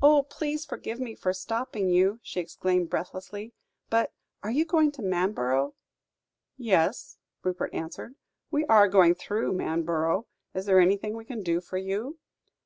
"Oh! please forgive me for stopping you," she exclaimed breathlessly, "but are you going to Manborough?" "Yes," Rupert answered, "we are going through Manborough. Is there anything we can do for you?"